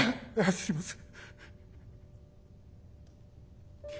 すいません。